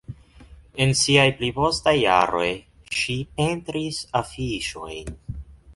En siaj pli postaj jaroj, ŝi pentris afiŝojn.